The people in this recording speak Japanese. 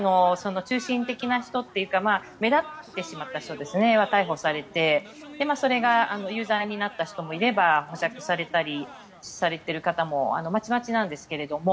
中心的な人というか目立ってしまった人は逮捕されてそれが有罪になった人もいれば保釈されたりされている方もまちまちなんですけれども。